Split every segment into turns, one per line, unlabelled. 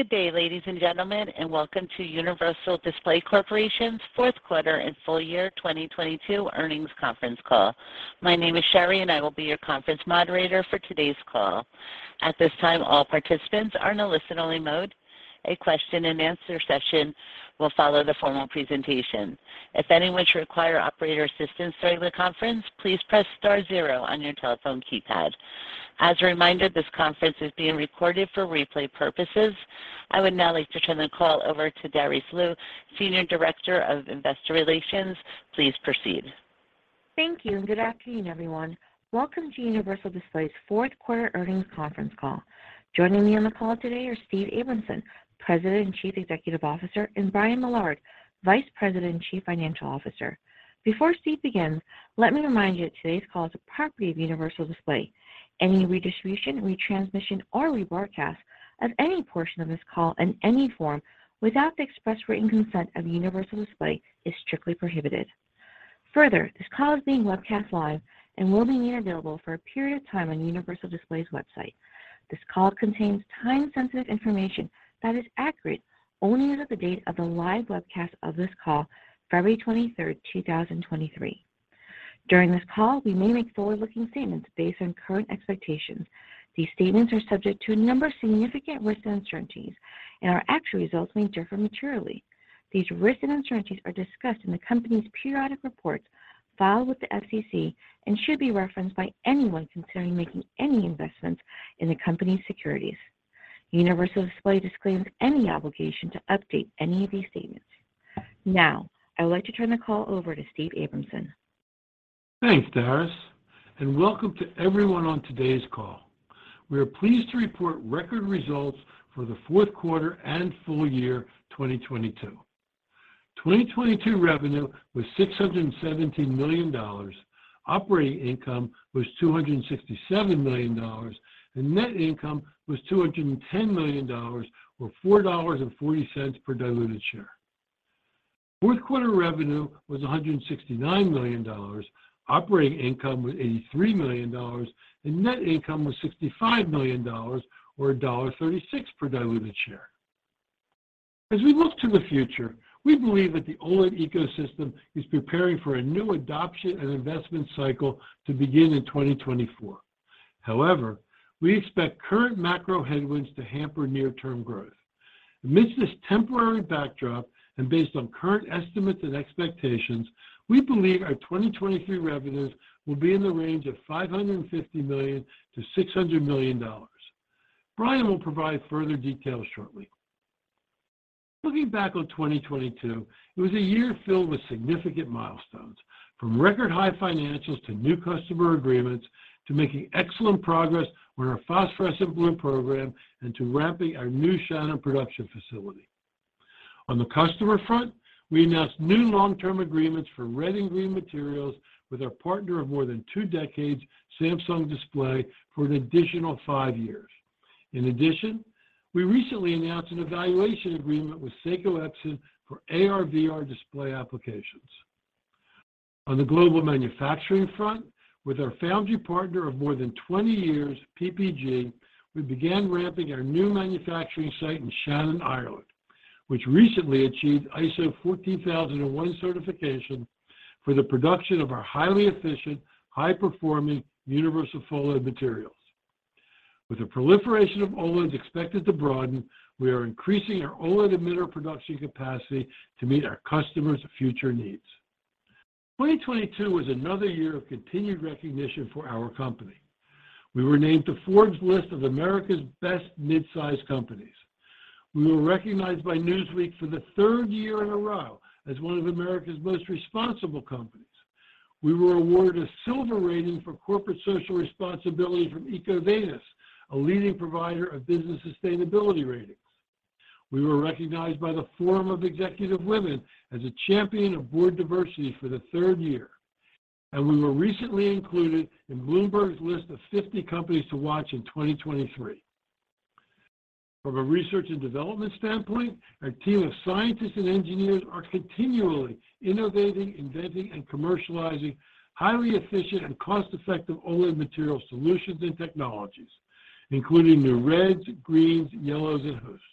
Good day, ladies and gentlemen, and welcome to Universal Display Corporation's fourth quarter and full year 2022 earnings conference call. My name is Sherry, and I will be your conference moderator for today's call. At this time, all participants are in a listen-only mode. A question and answer session will follow the formal presentation. If anyone should require operator assistance during the conference, please press star zero on your telephone keypad. As a reminder, this conference is being recorded for replay purposes. I would now like to turn the call over to Darice Liu, Senior Director of Investor Relations. Please proceed.
Thank you. Good afternoon, everyone. Welcome to Universal Display's fourth quarter earnings conference call. Joining me on the call today are Steve Abramson, President and Chief Executive Officer, and Brian Millard, Vice President and Chief Financial Officer. Before Steve begins, let me remind you that today's call is a property of Universal Display. Any redistribution, retransmission, or rebroadcast of any portion of this call in any form without the express written consent of Universal Display is strictly prohibited. Further, this call is being webcast live and will be made available for a period of time on Universal Display's website. This call contains time-sensitive information that is accurate only as of the date of the live webcast of this call, February 23, 2023. During this call, we may make forward-looking statements based on current expectations. These statements are subject to a number of significant risks and uncertainties, and our actual results may differ materially. These risks and uncertainties are discussed in the company's periodic reports filed with the SEC and should be referenced by anyone considering making any investments in the company's securities. Universal Display disclaims any obligation to update any of these statements. Now, I would like to turn the call over to Steve Abramson.
Thanks, Darice, welcome to everyone on today's call. We are pleased to report record results for the fourth quarter and full year 2022. 2022 revenue was $617 million, operating income was $267 million, net income was $210 million, or $4.40 per diluted share. Fourth quarter revenue was $169 million, operating income was $83 million, net income was $65 million or $1.36 per diluted share. As we look to the future, we believe that the OLED ecosystem is preparing for a new adoption and investment cycle to begin in 2024. However, we expect current macro headwinds to hamper near-term growth. Amidst this temporary backdrop and based on current estimates and expectations, we believe our 2023 revenues will be in the range of $550 million-$600 million. Brian will provide further details shortly. Looking back on 2022, it was a year filled with significant milestones, from record high financials to new customer agreements, to making excellent progress on our phosphorescent blue program, and to ramping our new Xiamen production facility. On the customer front, we announced new long-term agreements for red and green materials with our partner of more than two decades, Samsung Display, for an additional five years. We recently announced an evaluation agreement with Seiko Epson for AR/VR display applications. On the global manufacturing front with our foundry partner of more than 20 years, PPG, we began ramping our new manufacturing site in Shannon, Ireland, which recently achieved ISO 14001 Certification for the production of our highly efficient, high performing universalPHOLED materials. With the proliferation of OLEDs expected to broaden, we are increasing our OLED emitter production capacity to meet our customers' future needs. 2022 was another year of continued recognition for our company. We were named to Forbes list of America's Best Midsize Companies. We were recognized by Newsweek for the third year in a row as one of America's most responsible companies. We were awarded a Silver Rating for corporate social responsibility from EcoVadis, a leading provider of business sustainability ratings. We were recognized by the Forum of Executive Women as a Champion of Board Diversity for the third year. We were recently included in Bloomberg's list of 50 Companies to Watch in 2023. From a research and development standpoint, our team of scientists and engineers are continually innovating, inventing, and commercializing highly efficient and cost-effective OLED material solutions and technologies, including new reds, greens, yellows, and hosts.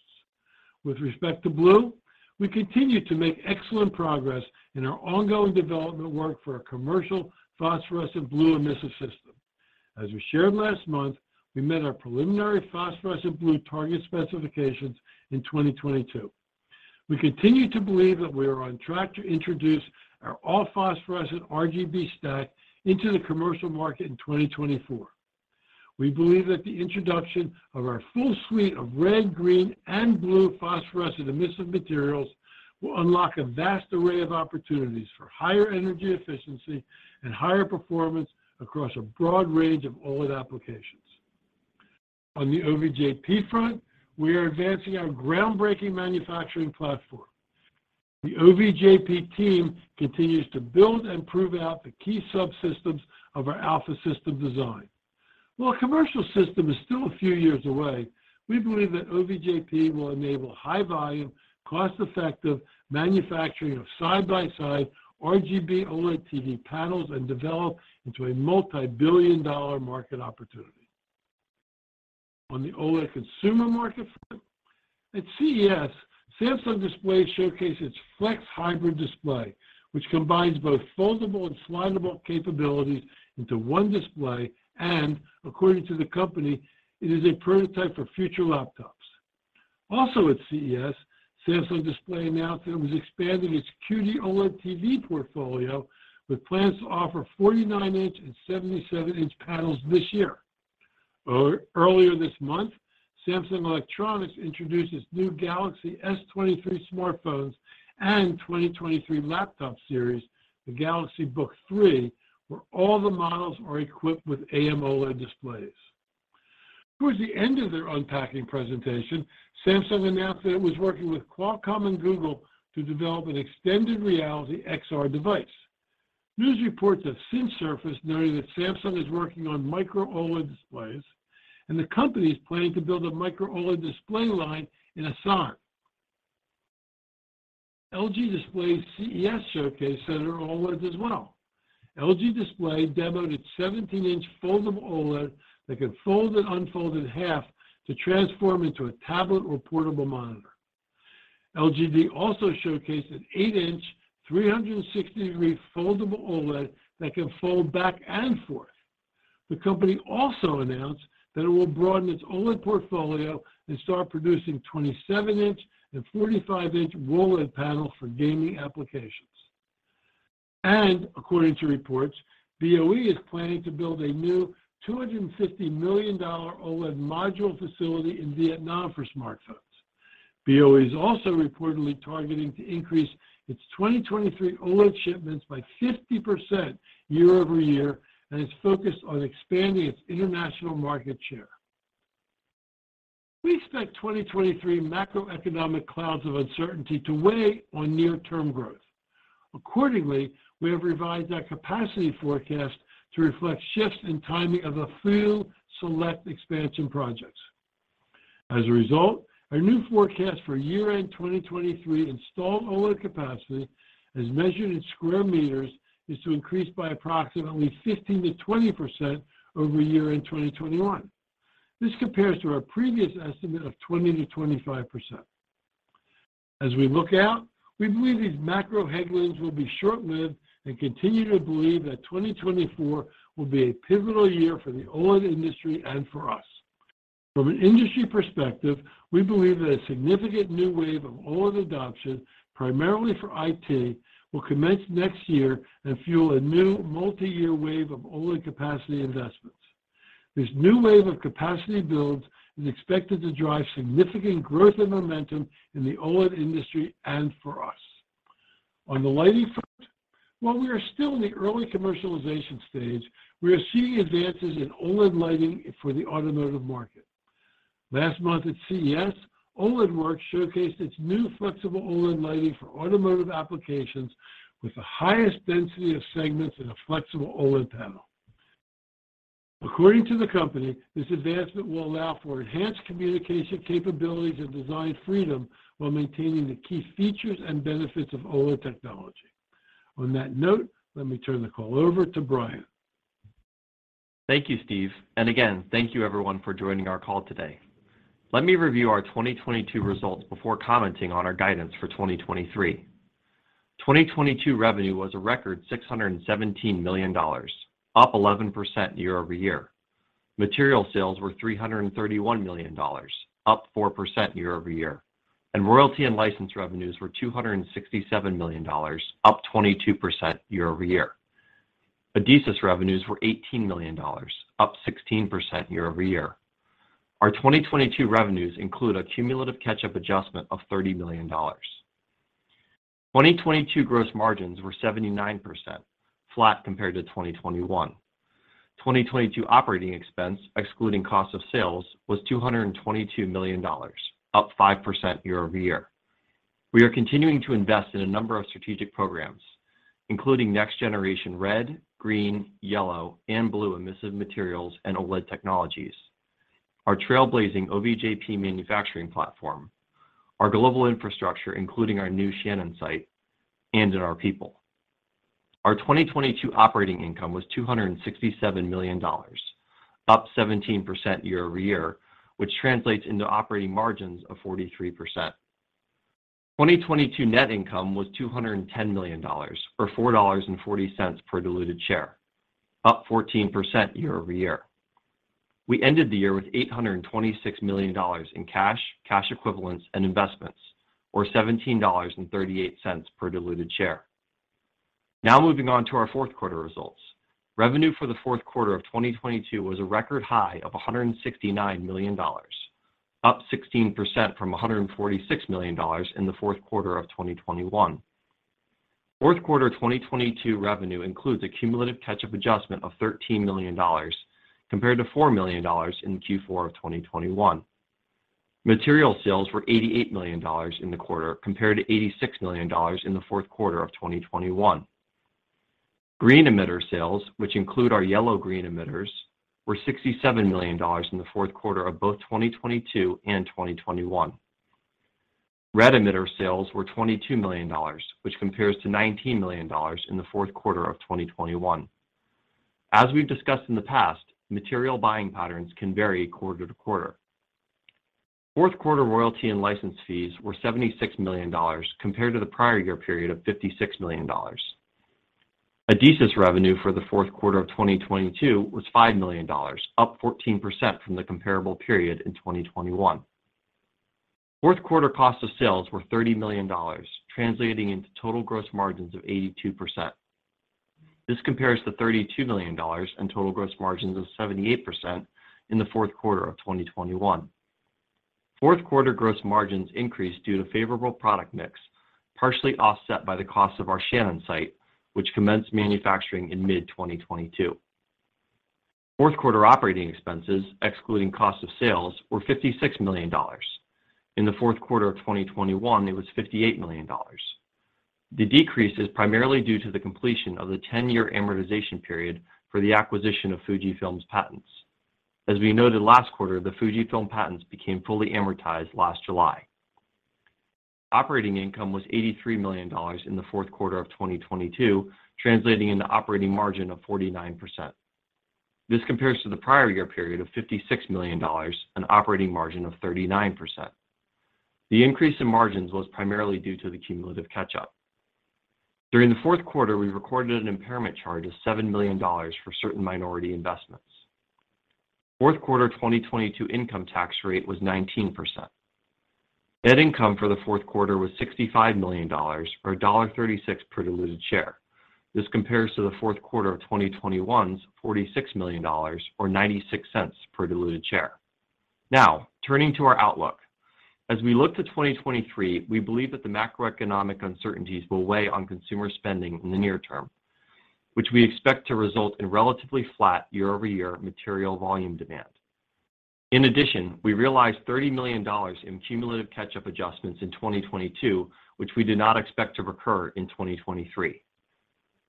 With respect to blue, we continue to make excellent progress in our ongoing development work for a commercial phosphorescent blue emissive system. As we shared last month, we met our preliminary phosphorescent blue target specifications in 2022. We continue to believe that we are on track to introduce our all-phosphorescent RGB stack into the commercial market in 2024. We believe that the introduction of our full suite of red, green, and blue phosphorescent emissive materials will unlock a vast array of opportunities for higher energy efficiency and higher performance across a broad range of OLED applications. On the OVJP front, we are advancing our groundbreaking manufacturing platform. The OVJP team continues to build and prove out the key subsystems of our alpha system design. While a commercial system is still a few years away, we believe that OVJP will enable high volume, cost-effective manufacturing of side-by-side RGB OLED TV panels and develop into a multi-billion dollar market opportunity. On the OLED consumer market front, at CES, Samsung Display showcased its Flex Hybrid display, which combines both foldable and slidable capabilities into one display, and according to the company, it is a prototype for future laptops. Also at CES, Samsung Display announced that it was expanding its QD-OLED TV portfolio with plans to offer 49 in and 77 in panels this year. Earlier this month, Samsung Electronics introduced its new Galaxy S23 smartphones and 2023 laptop series, the Galaxy Book3, where all the models are equipped with AMOLED displays. Towards the end of their unpacking presentation, Samsung announced that it was working with Qualcomm and Google to develop an extended reality XR device. News reports have since surfaced noting that Samsung is working on micro OLED displays, and the company is planning to build a micro OLED display line in Asan. LG Display's CES showcase centered on OLEDs as well. LG Display demoed its 17-in foldable OLED that can fold and unfold in half to transform into a tablet or portable monitor. LGD also showcased an 8-in, 360-degree foldable OLED that can fold back and forth. The company also announced that it will broaden its OLED portfolio and start producing 27 in and 45 in roll-in panels for gaming applications. According to reports, BOE is planning to build a new $250 million OLED module facility in Vietnam for smartphones. BOE is also reportedly targeting to increase its 2023 OLED shipments by 50% year-over-year and is focused on expanding its international market share. We expect 2023 macroeconomic clouds of uncertainty to weigh on near-term growth. Accordingly, we have revised our capacity forecast to reflect shifts in timing of a few select expansion projects. As a result, our new forecast for year-end 2023 installed OLED capacity, as measured in square meters, is to increase by approximately 15%-20% over year-end 2021. This compares to our previous estimate of 20%-25%. As we look out, we believe these macro headwinds will be short-lived and continue to believe that 2024 will be a pivotal year for the OLED industry and for us. From an industry perspective, we believe that a significant new wave of OLED adoption, primarily for IT, will commence next year and fuel a new multiyear wave of OLED capacity investments. This new wave of capacity builds is expected to drive significant growth and momentum in the OLED industry and for us. On the lighting front, while we are still in the early commercialization stage, we are seeing advances in OLED lighting for the automotive market. Last month at CES, OLEDWorks showcased its new flexible OLED lighting for automotive applications with the highest density of segments in a flexible OLED panel. According to the company, this advancement will allow for enhanced communication capabilities and design freedom while maintaining the key features and benefits of OLED technology. On that note, let me turn the call over to Brian.
Thank you, Steve. Again, thank you everyone for joining our call today. Let me review our 2022 results before commenting on our guidance for 2023. 2022 revenue was a record $617 million, up 11% year-over-year. Material sales were $331 million, up 4% year-over-year. Royalty and license revenues were $267 million, up 22% year-over-year. Adesis revenues were $18 million, up 16% year-over-year. Our 2022 revenues include a cumulative catch-up adjustment of $30 million. 2022 gross margins were 79%, flat compared to 2021. 2022 operating expense, excluding cost of sales, was $222 million, up 5% year-over-year. We are continuing to invest in a number of strategic programs, including next-generation red, green, yellow and blue emissive materials and OLED technologies, our trailblazing OVJP manufacturing platform, our global infrastructure, including our new Xiamen site, and in our people. Our 2022 operating income was $267 million, up 17% year-over-year, which translates into operating margins of 43%. 2022 net income was $210 million or $4.40 per diluted share, up 14% year-over-year. We ended the year with $826 million in cash equivalents and investments, or $17.38 per diluted share. Moving on to our fourth quarter results. Revenue for the fourth quarter of 2022 was a record high of $169 million, up 16% from $146 million in the fourth quarter of 2021. Fourth quarter 2022 revenue includes a cumulative catch-up adjustment of $13 million compared to $4 million in Q4 of 2021. Material sales were $88 million in the quarter, compared to $86 million in the fourth quarter of 2021. Green emitter sales, which include our yellow-green emitters, were $67 million in the fourth quarter of both 2022 and 2021. Red emitter sales were $22 million, which compares to $19 million in the fourth quarter of 2021. As we've discussed in the past, material buying patterns can vary quarter-to-quarter. Fourth quarter royalty and license fees were $76 million compared to the prior year period of $56 million. Adesis revenue for the fourth quarter of 2022 was $5 million, up 14% from the comparable period in 2021. Fourth quarter cost of sales were $30 million, translating into total gross margins of 82%. This compares to $32 million and total gross margins of 78% in the fourth quarter of 2021. Fourth quarter gross margins increased due to favorable product mix, partially offset by the cost of our Shannon site, which commenced manufacturing in mid-2022. Fourth quarter operating expenses, excluding cost of sales, were $56 million. In the fourth quarter of 2021, it was $58 million. The decrease is primarily due to the completion of the 10-year amortization period for the acquisition of Fujifilm's patents. As we noted last quarter, the Fujifilm patents became fully amortized last July. Operating income was $83 million in the fourth quarter of 2022, translating into operating margin of 49%. This compares to the prior year period of $56 million, an operating margin of 39%. The increase in margins was primarily due to the cumulative catch-up. During the fourth quarter, we recorded an impairment charge of $7 million for certain minority investments. Fourth quarter 2022 income tax rate was 19%. Net income for the fourth quarter was $65 million, or $1.36 per diluted share. This compares to the fourth quarter of 2021's $46 million, or $0.96 per diluted share. Turning to our outlook. As we look to 2023, we believe that the macroeconomic uncertainties will weigh on consumer spending in the near term, which we expect to result in relatively flat year-over-year material volume demand. In addition, we realized $30 million in cumulative catch-up adjustments in 2022, which we do not expect to recur in 2023.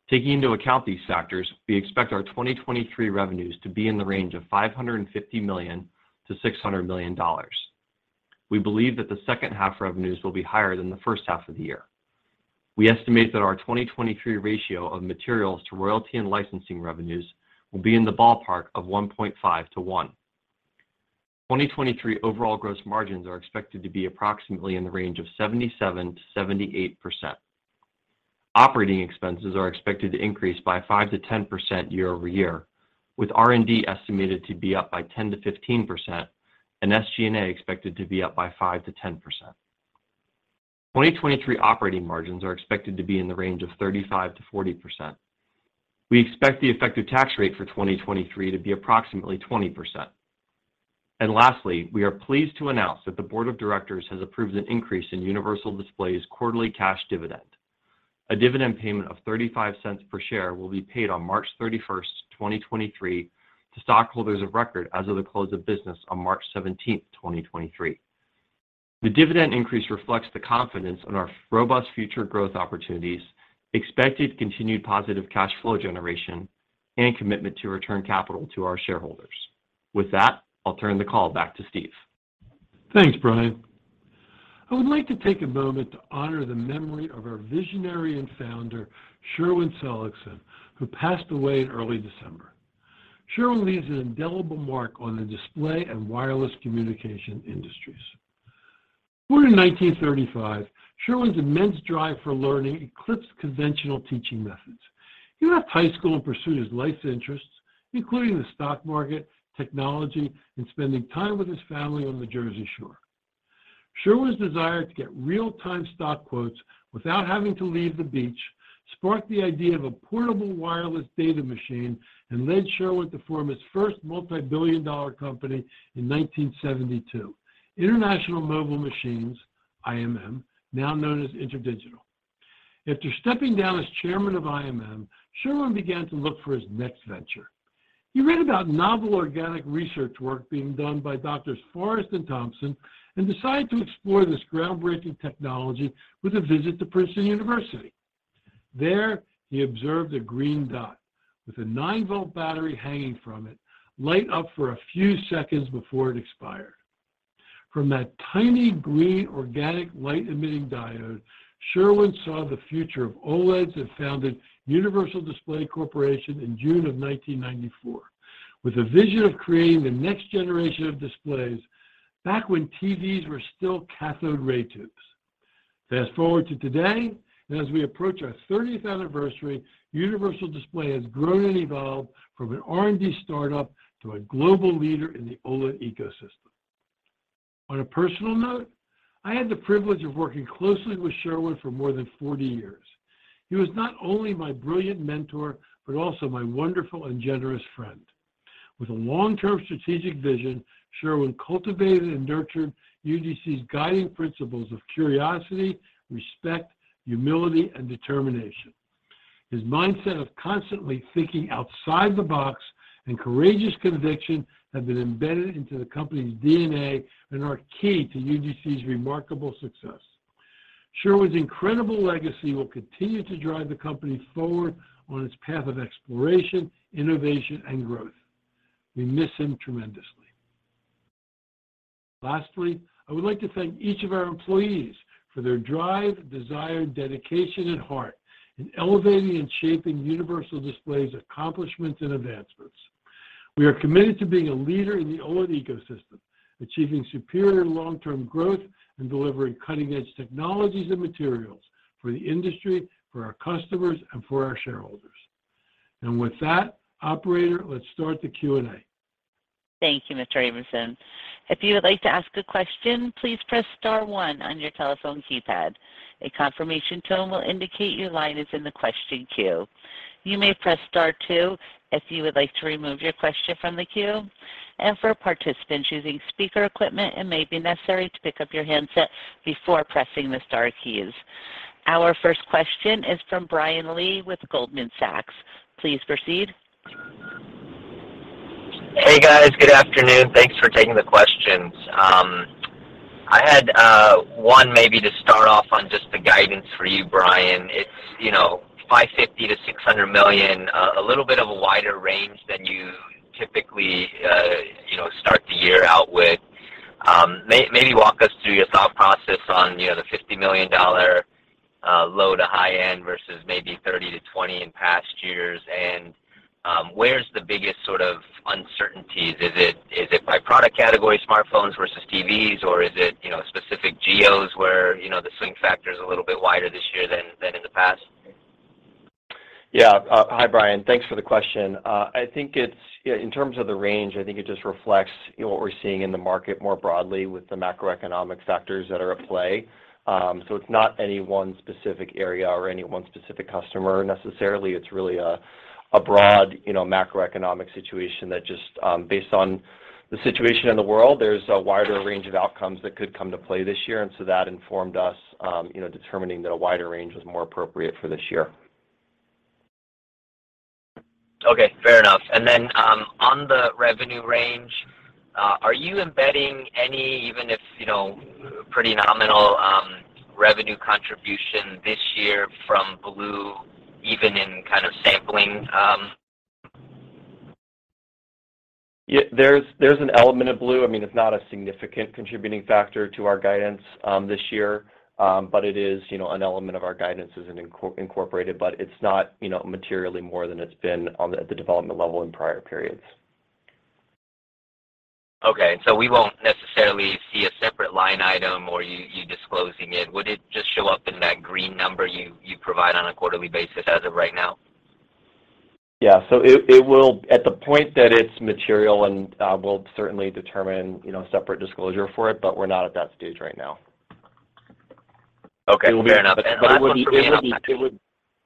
Taking into account these factors, we expect our 2023 revenues to be in the range of $550 million-$600 million. We believe that the second half revenues will be higher than the first half of the year. We estimate that our 2023 ratio of materials to royalty and licensing revenues will be in the ballpark of 1.5 to 1. 2023 overall gross margins are expected to be approximately in the range of 77%-78%. Operating expenses are expected to increase by 5%-10% year-over-year, with R&D estimated to be up by 10%-15% and SG&A expected to be up by 5%-10%. 2023 operating margins are expected to be in the range of 35%-40%. We expect the effective tax rate for 2023 to be approximately 20%. Lastly, we are pleased to announce that the Board of Directors has approved an increase in Universal Display's quarterly cash dividend. A dividend payment of $0.35 per share will be paid on March 31st, 2023 to stockholders of record as of the close of business on March 17th, 2023. The dividend increase reflects the confidence in our robust future growth opportunities, expected continued positive cash flow generation, and commitment to return capital to our shareholders. With that, I'll turn the call back to Steve.
Thanks, Brian. I would like to take a moment to honor the memory of our visionary and founder, Sherwin Seligsohn, who passed away in early December. Sherwin leaves an indelible mark on the display and wireless communication industries. Born in 1935, Sherwin's immense drive for learning eclipsed conventional teaching methods. He left high school and pursued his life's interests, including the stock market, technology, and spending time with his family on the Jersey Shore. Sherwin's desire to get real-time stock quotes without having to leave the beach sparked the idea of a portable wireless data machine and led Sherwin to form his first multibillion-dollar company in 1972, International Mobile Machines, IMM, now known as InterDigital. After stepping down as Chairman of IMM, Sherwin began to look for his next venture. He read about novel organic research work being done by Doctors Forrest and Thompson and decided to explore this groundbreaking technology with a visit to Princeton University. There, he observed a green dot with a 9-volt battery hanging from it light up for a few seconds before it expired. From that tiny green organic light-emitting diode, Sherwin saw the future of OLEDs and founded Universal Display Corporation in June of 1994 with a vision of creating the next generation of displays back when TVs were still cathode ray tubes. Fast-forward to today, and as we approach our 30th anniversary, Universal Display has grown and evolved from an R&D start-up to a global leader in the OLED ecosystem. On a personal note, I had the privilege of working closely with Sherwin for more than 40 years. He was not only my brilliant mentor, but also my wonderful and generous friend. With a long-term strategic vision, Sherwin cultivated and nurtured UDC's guiding principles of curiosity, respect, humility, and determination. His mindset of constantly thinking outside the box and courageous conviction have been embedded into the company's DNA and are key to UDC's remarkable success. Sherwin's incredible legacy will continue to drive the company forward on its path of exploration, innovation, and growth. We miss him tremendously. Lastly, I would like to thank each of our employees for their drive, desire, dedication, and heart in elevating and shaping Universal Display's accomplishments and advancements. We are committed to being a leader in the OLED ecosystem, achieving superior long-term growth, and delivering cutting-edge technologies and materials for the industry, for our customers, and for our shareholders. With that, operator, let's start the Q&A.
Thank you, Mr. Abramson. If you would like to ask a question, please press star one on your telephone keypad. A confirmation tone will indicate your line is in the question queue. You may press star two if you would like to remove your question from the queue. For participants using speaker equipment, it may be necessary to pick up your handset before pressing the star keys. Our first question is from Brian Lee with Goldman Sachs. Please proceed.
Hey, guys. Good afternoon. Thanks for taking the questions. I had one maybe to start off on just the guidance for you, Brian. It's, you know, $550 million-$600 million, a little bit of a wider range than you typically, you know, start the year out with. Maybe walk us through your thought process on, you know, the $50 million low to high-end versus maybe $30 million-$20 million in past years. Where's the biggest sort of uncertainties? Is it by product category, smartphones versus TVs, or is it, you know, specific geos where, you know, the swing factor is a little bit wider this year than in the past?
Yeah. Hi, Brian. Thanks for the question. I think in terms of the range, I think it just reflects, you know, what we're seeing in the market more broadly with the macroeconomic factors that are at play. It's not any one specific area or any one specific customer necessarily. It's really a broad, you know, macroeconomic situation that just, based on the situation in the world, there's a wider range of outcomes that could come to play this year. That informed us, you know, determining that a wider range was more appropriate for this year.
Okay, fair enough. On the revenue range, are you embedding any, even if, you know, pretty nominal, revenue contribution this year from Blue, even in kind of sampling?
There's an element of blue. I mean, it's not a significant contributing factor to our guidance this year, but it is, you know, an element of our guidance is incorporated, but it's not, you know, materially more than it's been at the development level in prior periods.
Okay. We won't necessarily see a separate line item or you disclosing it. Would it just show up in that green number you provide on a quarterly basis as of right now?
Yeah. It will at the point that it's material, and we'll certainly determine, you know, separate disclosure for it, but we're not at that stage right now.
Okay. Fair enough.
It will.
Last one for me, and I'll pass it on.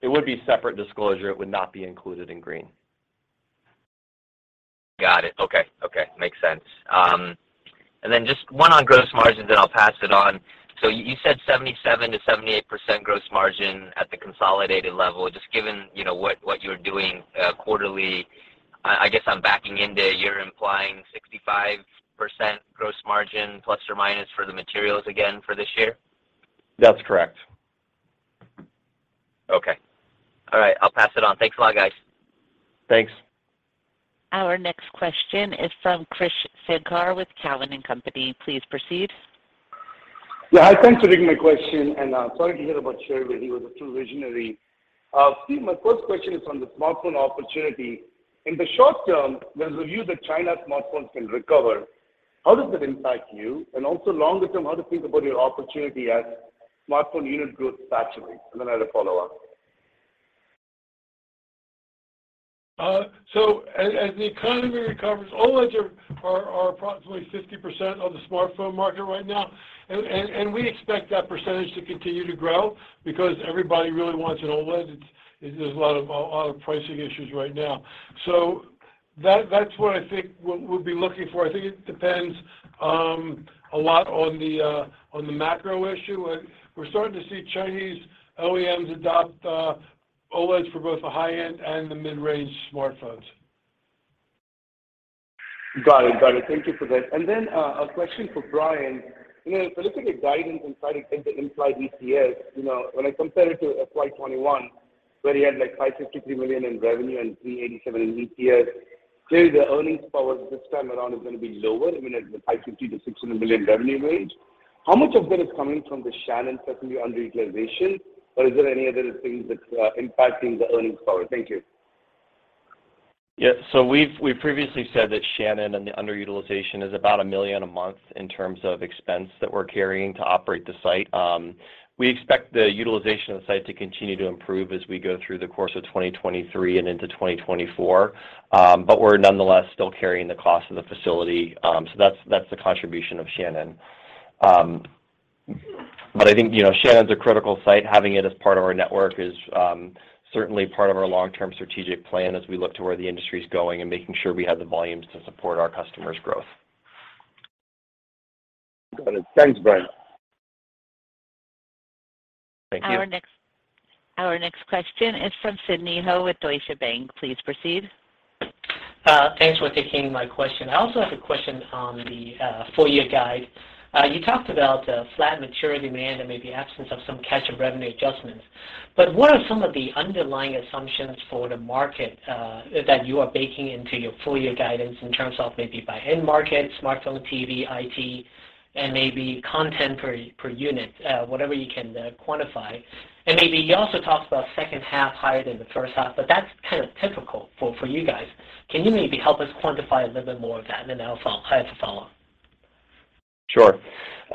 It would be separate disclosure. It would not be included in green.
Got it. Okay. Okay. Makes sense. Then just one on gross margins, then I'll pass it on. You said 77%-78% gross margin at the consolidated level. Just given, you know, what you're doing, quarterly, I guess I'm backing into you're implying 65% gross margin ± for the materials again for this year.
That's correct.
Okay. All right. I'll pass it on. Thanks a lot, guys.
Thanks.
Our next question is from Krish Sankar with Cowen and Company. Please proceed.
Yeah. Hi. Thanks for taking my question, and sorry to hear about Sherwin. He was a true visionary. Steve, my first question is on the smartphone opportunity. In the short term, there's a view that China smartphones can recover. How does that impact you? Also longer term, how to think about your opportunity as smartphone unit growth saturates? I have a follow-up.
As the economy recovers, OLEDs are approximately 50% of the smartphone market right now. We expect that percentage to continue to grow because everybody really wants an OLED. There's a lot of pricing issues right now. That's what I think what we'll be looking for. I think it depends a lot on the macro issue. We're starting to see Chinese OEMs adopt OLEDs for both the high-end and the mid-range smartphones.
Got it. Got it. Thank you for that. A question for Brian. You know, if I look at the guidance and try to take the implied EPS, you know, when I compare it to FY 2021, where you had, like, $553 million in revenue and $3.87 in EPS, clearly the earnings power this time around is gonna be lower, even at the $550 million-$600 million revenue range. How much of that is coming from the Shannon, certainly underutilization, or is there any other things that are impacting the earnings power? Thank you.
We've previously said that Shannon and the underutilization is about $1 million a month in terms of expense that we're carrying to operate the site. We expect the utilization of the site to continue to improve as we go through the course of 2023 and into 2024, but we're nonetheless still carrying the cost of the facility. That's the contribution of Shannon. I think, you know, Shannon's a critical site. Having it as part of our network is certainly part of our long-term strategic plan as we look to where the industry's going and making sure we have the volumes to support our customers' growth.
Got it. Thanks, Brian.
Thank you.
Our next question is from Sidney Ho with Deutsche Bank. Please proceed.
Thanks for taking my question. I also have a question on the full year guide. You talked about flat material demand and maybe absence of some catch-up revenue adjustments. What are some of the underlying assumptions for the market that you are baking into your full year guidance in terms of maybe by end market, smartphone, TV, IT, and maybe content per unit, whatever you can quantify? Maybe you also talked about second half higher than the first half, but that's kind of typical for you guys. Can you maybe help us quantify a little bit more of that? I'll ask I have a follow-up.
Sure.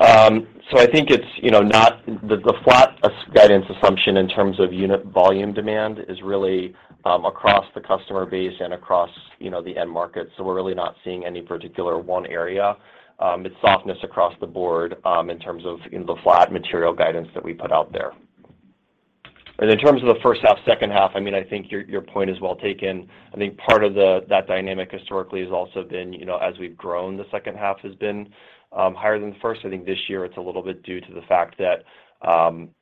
I think it's, you know, not the flat guidance assumption in terms of unit volume demand is really, across the customer base and across, you know, the end market. We're really not seeing any particular one area. It's softness across the board, in terms of, you know, the flat material guidance that we put out there. In terms of the first half, second half, I mean, I think your point is well taken. I think part of that dynamic historically has also been, you know, as we've grown, the second half has been higher than the first. I think this year it's a little bit due to the fact that,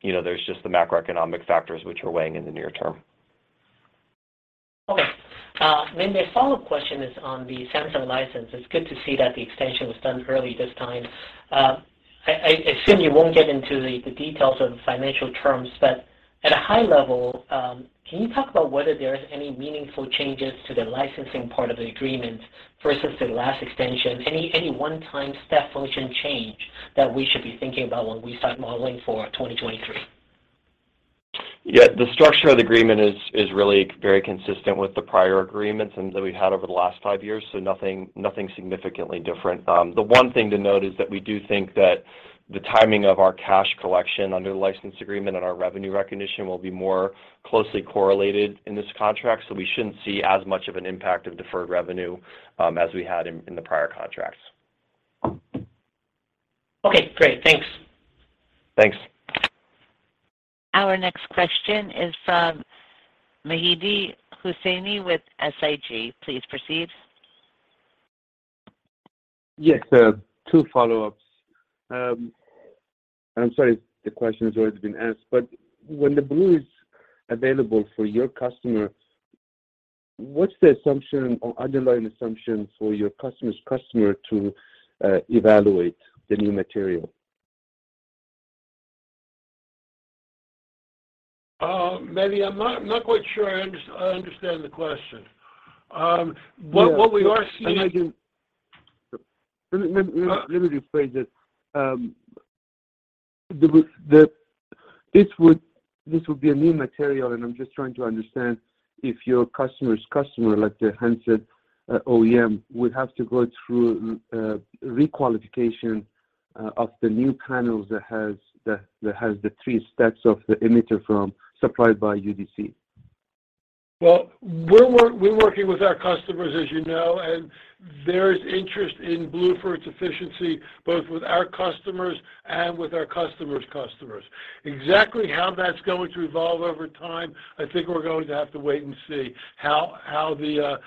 you know, there's just the macroeconomic factors which are weighing in the near term.
Okay. The follow-up question is on the Samsung license. It's good to see that the extension was done early this time. I assume you won't get into the details of the financial terms, but at a high level, can you talk about whether there is any meaningful changes to the licensing part of the agreement versus the last extension? Any one-time step function change that we should be thinking about when we start modeling for 2023.
The structure of the agreement is really very consistent with the prior agreements and that we've had over the last five years. Nothing significantly different. The one thing to note is that we do think that the timing of our cash collection under the license agreement and our revenue recognition will be more closely correlated in this contract. We shouldn't see as much of an impact of deferred revenue, as we had in the prior contracts.
Okay, great. Thanks.
Thanks.
Our next question is from Mehdi Hosseini with SIG. Please proceed.
Yes, two follow-ups. I'm sorry if the question has already been asked, but when the blue is available for your customer, what's the assumption or underlying assumption for your customer's customer to evaluate the new material?
Mehdi, I'm not quite sure I understand the question.
Yeah. Let me rephrase it. This would be a new material, I'm just trying to understand if your customer's customer, like the handset, OEM, would have to go through re-qualification of the new panels that has the three stacks of the emitter film supplied by UDC.
Well, we're working with our customers as you know, and there's interest in blue for its efficiency, both with our customers and with our customers' customers. Exactly how that's going to evolve over time, I think we're going to have to wait and see how the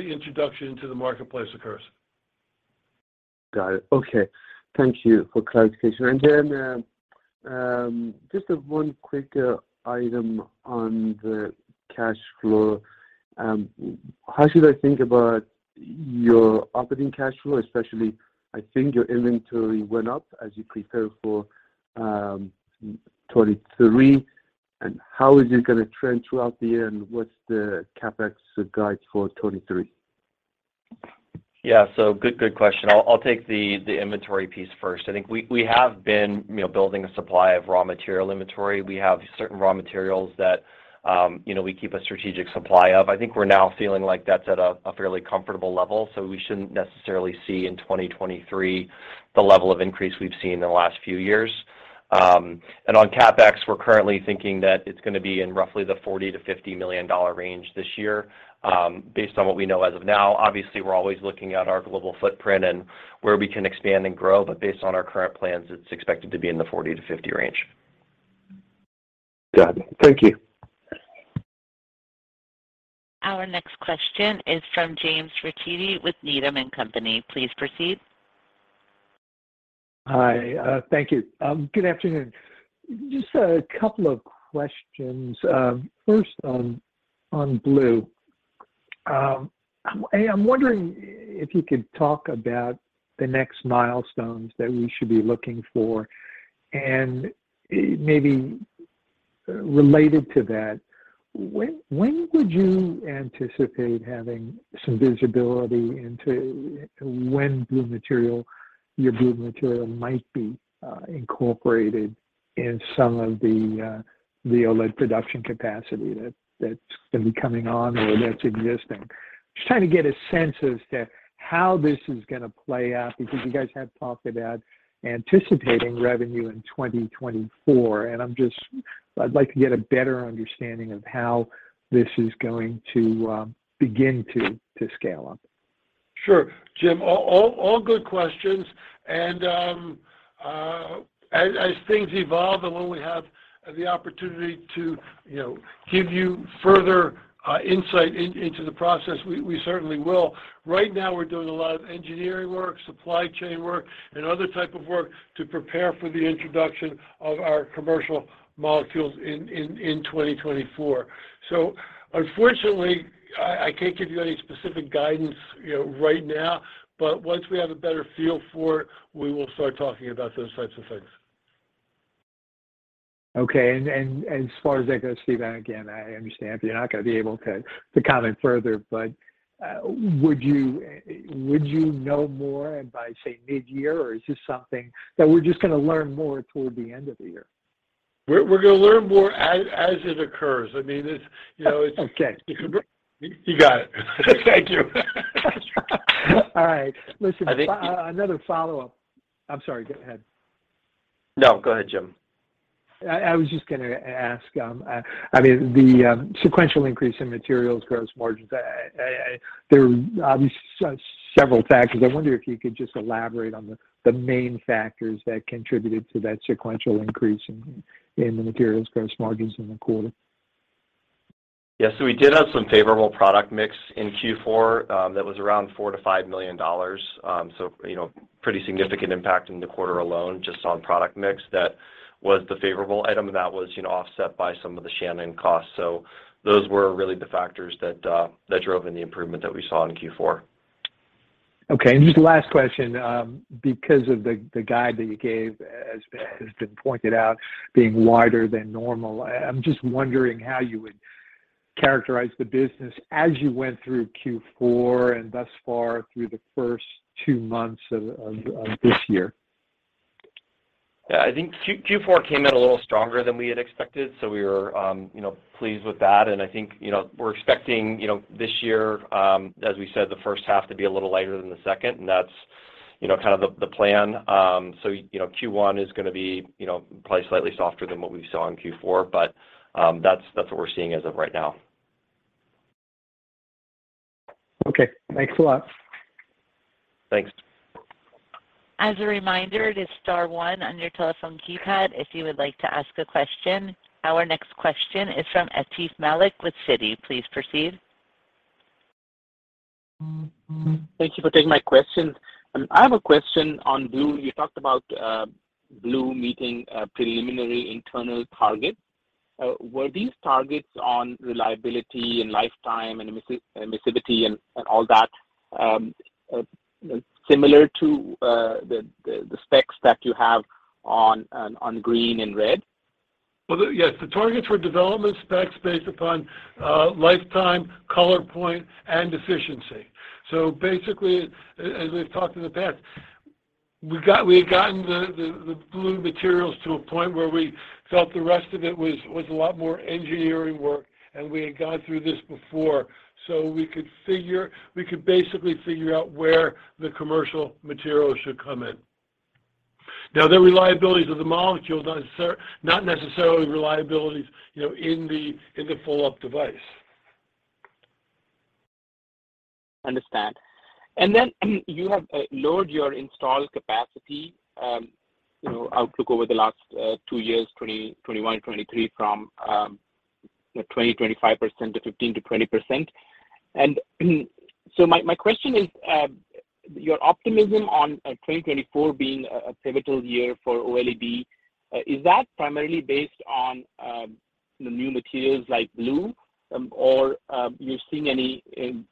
introduction to the marketplace occurs.
Got it. Okay. Thank you for clarification. Just one quick item on the cash flow. How should I think about your operating cash flow, especially I think your inventory went up as you prepare for 2023. How is it gonna trend throughout the year, and what's the CapEx guide for 2023?
Yeah. Good, good question. I'll take the inventory piece first. I think we have been, you know, building a supply of raw material inventory. We have certain raw materials that, you know, we keep a strategic supply of. I think we're now feeling like that's at a fairly comfortable level, so we shouldn't necessarily see in 2023 the level of increase we've seen in the last few years. On CapEx, we're currently thinking that it's gonna be in roughly the $40 million-$50 million range this year, based on what we know as of now. Obviously, we're always looking at our global footprint and where we can expand and grow, based on our current plans, it's expected to be in the $40 million-$50 million range.
Got it. Thank you.
Our next question is from James Ricchiuti with Needham & Company. Please proceed.
Hi. Thank you. Good afternoon. Just a couple of questions. First on blue. I'm wondering if you could talk about the next milestones that we should be looking for. Maybe related to that, when would you anticipate having some visibility into when blue material, your blue material might be incorporated in some of the OLED production capacity that's gonna be coming on or that's existing? Just trying to get a sense as to how this is gonna play out because you guys have talked about anticipating revenue in 2024, I'd like to get a better understanding of how this is going to begin to scale up.
Sure. Jim, all good questions. As things evolve and when we have the opportunity to, you know, give you further insight into the process, we certainly will. Right now we're doing a lot of engineering work, supply chain work, and other type of work to prepare for the introduction of our commercial molecules in 2024. Unfortunately, I can't give you any specific guidance, you know, right now, but once we have a better feel for it, we will start talking about those types of things.
Okay. As far as that goes, Steve, again, I understand you're not gonna be able to comment further, but would you know more and by, say, mid-year, or is this something that we're just gonna learn more toward the end of the year?
We're gonna learn more as it occurs. I mean, it's, you know.
Okay.
You got it. Thank you.
All right.
I think-
another follow-up. I'm sorry, go ahead.
No, go ahead, Jim.
I was just gonna ask, I mean, the sequential increase in materials gross margins, there are obviously several factors. I wonder if you could just elaborate on the main factors that contributed to that sequential increase in the materials gross margins in the quarter.
Yeah. We did have some favorable product mix in Q4, that was around $4 million-$5 million. You know, pretty significant impact in the quarter alone, just on product mix. That was the favorable item, and that was, you know, offset by some of the Shannon costs. Those were really the factors that drove in the improvement that we saw in Q4.
Okay. Just last question, because of the guide that you gave as been pointed out being wider than normal, I'm just wondering how you would characterize the business as you went through Q4 and thus far through the first two months of this year?
Yeah. I think Q4 came in a little stronger than we had expected, so we were, you know, pleased with that. I think, you know, we're expecting, you know, this year, as we said, the first half to be a little lighter than the second, and that's, you know, kind of the plan. You know, Q1 is going to be, you know, probably slightly softer than what we saw in Q4, but, that's what we're seeing as of right now.
Okay. Thanks a lot.
Thanks.
As a reminder, it is star one on your telephone keypad if you would like to ask a question. Our next question is from Atif Malik with Citi. Please proceed.
Thank you for taking my question. I have a question on Blue. You talked about Blue meeting preliminary internal targets. Were these targets on reliability and lifetime and emissivity and all that similar to the specs that you have on green and red?
Well, the... Yes. The targets were development specs based upon lifetime, color point, and efficiency. Basically, as we've talked in the past, we had gotten the Blue materials to a point where we felt the rest of it was a lot more engineering work, and we had gone through this before. We could basically figure out where the commercial materials should come in. The reliabilities of the molecules not necessarily reliabilities, you know, in the full up device.
Understand. Then you have lowered your install capacity, you know, outlook over the last two years, 2021, 2023 from, you know, 20% to 5% to 15%-20%. My question is, your optimism on 2024 being a pivotal year for OLED, is that primarily based on, you know, new materials like Blue, or you're seeing any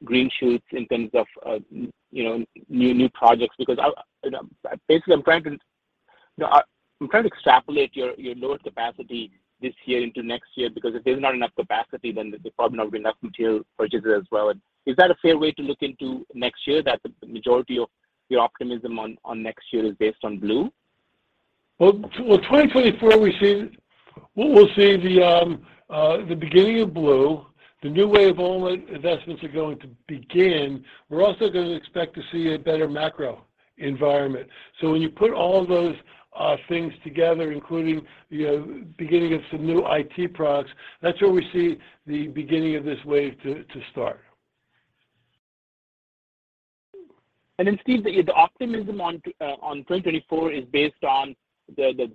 green shoots in terms of, you know, new projects? I know, basically I'm trying to extrapolate your lower capacity this year into next year because if there's not enough capacity, then there's probably not enough material purchases as well. Is that a fair way to look into next year, that the majority of your optimism on next year is based on Blue?
Well 2024 we'll see the beginning of Blue, the new wave of OLED investments are going to begin. We're also gonna expect to see a better macro environment. When you put all those things together, including, you know, beginning of some new IT products, that's where we see the beginning of this wave to start.
Steve, the optimism on 2024 is based on the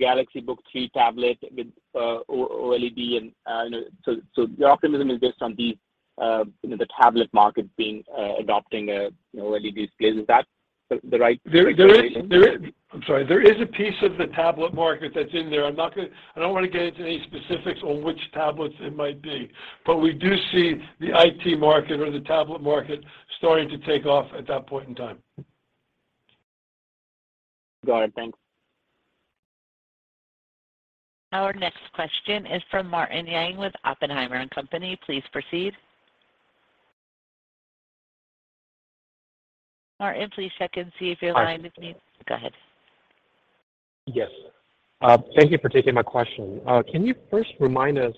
Galaxy Book3 tablet with OLED. You know, so the optimism is based on these, you know, the tablet market being adopting, you know, OLED displays. Is that the right-
There is. I'm sorry. There is a piece of the tablet market that's in there. I don't wanna get into any specifics on which tablets it might be, but we do see the IT market or the tablet market starting to take off at that point in time.
Got it. Thanks.
Our next question is from Martin Yang with Oppenheimer & Co. Please proceed. Martin, please check and see if your line is mute. Go ahead.
Yes. Thank you for taking my question. Can you first remind us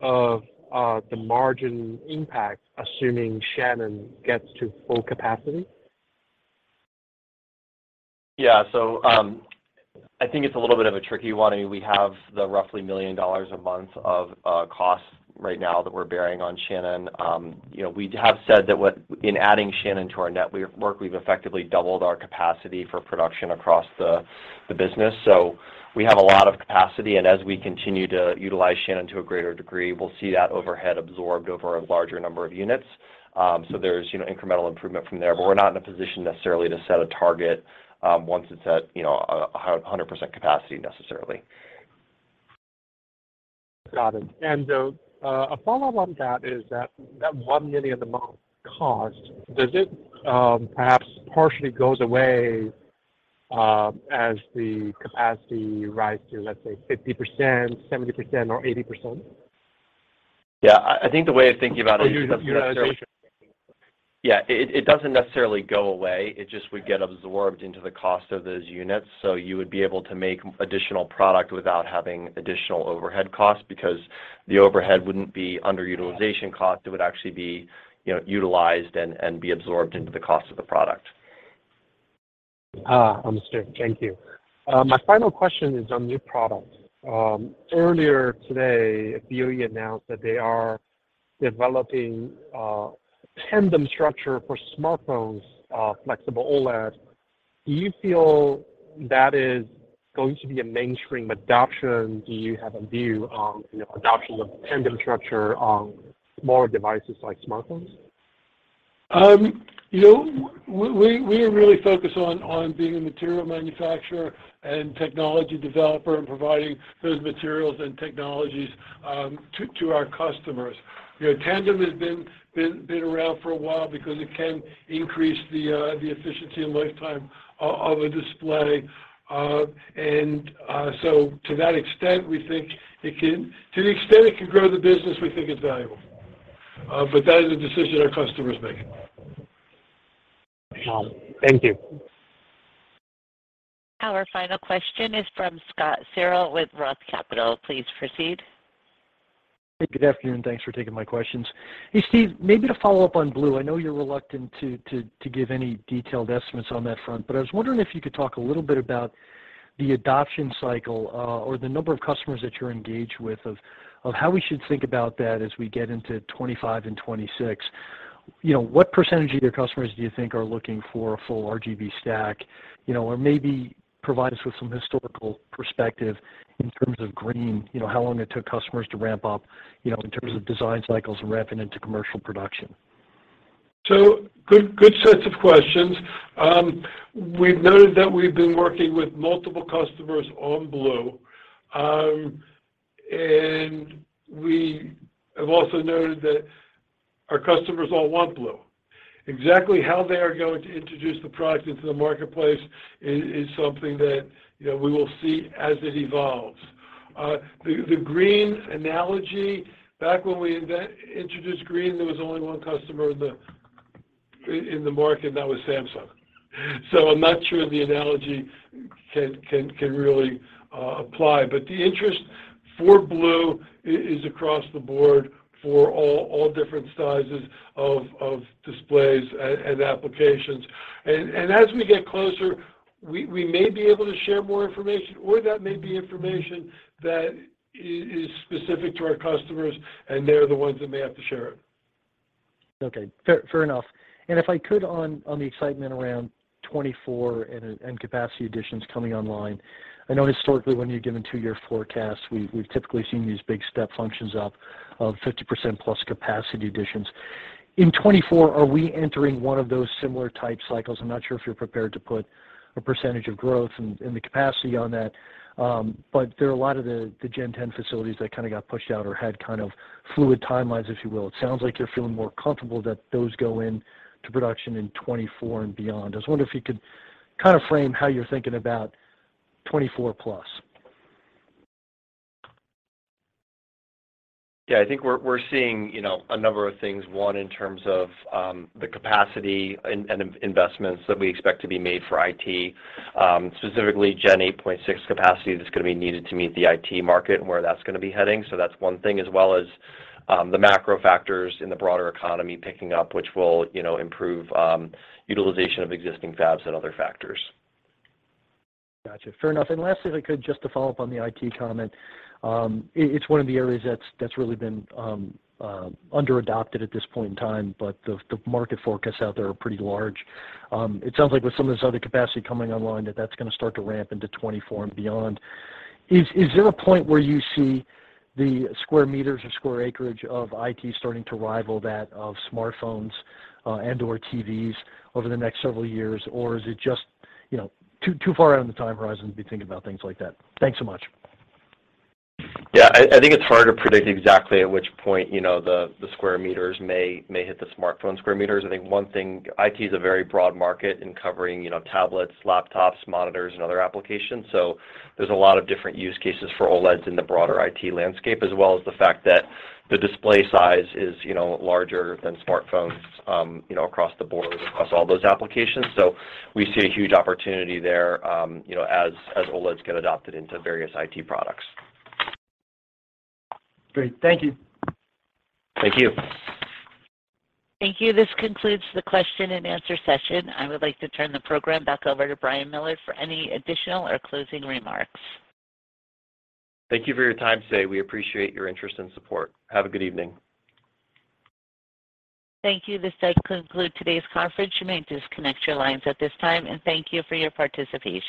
of the margin impact assuming Shannon gets to full capacity?
Yeah. I think it's a little bit of a tricky one. I mean, we have the roughly $1 million a month of costs right now that we're bearing on Shannon. You know, we have said that in adding Shannon to our network, we've effectively doubled our capacity for production across the business. We have a lot of capacity, and as we continue to utilize Shannon to a greater degree, we'll see that overhead absorbed over a larger number of units. There's, you know, incremental improvement from there, but we're not in a position necessarily to set a target, once it's at, you know, 100% capacity necessarily.
Got it. A follow-up on that is that $1 million a month cost, does it, perhaps partially goes away, as the capacity rise to, let's say, 50%, 70% or 80%?
Yeah. I think the way of thinking about it.
utilization.
Yeah. It doesn't necessarily go away, it just would get absorbed into the cost of those units. You would be able to make additional product without having additional overhead costs because the overhead wouldn't be under utilization cost. It would actually be, you know, utilized and be absorbed into the cost of the product.
Understood. Thank you. My final question is on new product. Earlier today, BOE announced that they are developing tandem structure for smartphones, flexible OLED. Do you feel that is going to be a mainstream adoption? Do you have a view on, you know, adoption of tandem structure on small devices like smartphones?
You know, we are really focused on being a material manufacturer and technology developer and providing those materials and technologies to our customers. You know, tandem has been around for a while because it can increase the efficiency and lifetime of a display. To that extent, we think it can. To the extent it can grow the business, we think it's valuable. That is a decision our customers make.
Got it. Thank you.
Our final question is from Scott Searle with ROTH Capital. Please proceed.
Hey, good afternoon. Thanks for taking my questions. Hey, Steve, maybe to follow up on blue. I know you're reluctant to give any detailed estimates on that front, but I was wondering if you could talk a little bit about the adoption cycle, or the number of customers that you're engaged with how we should think about that as we get into 2025 and 2026. You know, what percentage of your customers do you think are looking for a full RGB stack? You know, maybe provide us with some historical perspective in terms of green, you know, how long it took customers to ramp up, you know, in terms of design cycles and ramping into commercial production.
Good, good sets of questions. We've noted that we've been working with multiple customers on blue. We have also noted that our customers all want blue. Exactly how they are going to introduce the product into the marketplace is something that, you know, we will see as it evolves. The green analogy, back when we introduced green, there was only one customer in the market, and that was Samsung. I'm not sure the analogy can really apply. The interest for blue is across the board for all different sizes of displays and applications. As we get closer, we may be able to share more information, or that may be information that is specific to our customers, and they're the ones that may have to share it.
Okay. Fair, fair enough. If I could on the excitement around 2024 and capacity additions coming online, I know historically when you've given two-year forecasts, we've typically seen these big step functions up of 50%+ capacity additions. In 2024, are we entering one of those similar type cycles? I'm not sure if you're prepared to put a percentage of growth in the capacity on that. There are a lot of the Gen 10 facilities that kinda got pushed out or had kind of fluid timelines, if you will. It sounds like you're feeling more comfortable that those go into production in 2024 and beyond. I was wondering if you could kind of frame how you're thinking about 2024 plus?
Yeah. I think we're seeing, you know, a number of things. One, in terms of the capacity and investments that we expect to be made for IT, specifically Gen 8.6 capacity that's gonna be needed to meet the IT market and where that's gonna be heading. That's one thing, as well as the macro factors in the broader economy picking up, which will, you know, improve utilization of existing fabs and other factors.
Gotcha. Fair enough. Lastly, if I could just to follow up on the IT comment. It's one of the areas that's really been under-adopted at this point in time, but the market forecasts out there are pretty large. It sounds like with some of this other capacity coming online that that's gonna start to ramp into 2024 and beyond. Is there a point where you see the square meters or square acreage of IT starting to rival that of smartphones and/or TVs over the next several years? Or is it just, you know, too far out in the time horizon to be thinking about things like that? Thanks so much.
I think it's hard to predict exactly at which point, you know, the square meters may hit the smartphone square meters. I think one thing, IT is a very broad market in covering, you know, tablets, laptops, monitors, and other applications. There's a lot of different use cases for OLEDs in the broader IT landscape, as well as the fact that the display size is, you know, larger than smartphones, you know, across the board, across all those applications. We see a huge opportunity there, you know, as OLEDs get adopted into various IT products.
Great. Thank you.
Thank you.
Thank you. This concludes the question and answer session. I would like to turn the program back over to Brian Millard for any additional or closing remarks.
Thank you for your time today. We appreciate your interest and support. Have a good evening.
Thank you. This does conclude today's conference. You may disconnect your lines at this time, and thank you for your participation.